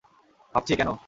ভাবছি, কেন?